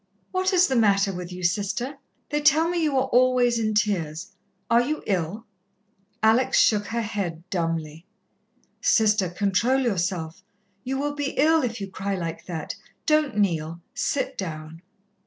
"What is the matter with you, Sister? They tell me you are always in tears. Are you ill?" Alex shook her head dumbly. "Sister, control yourself. You will be ill if you cry like that. Don't kneel, sit down."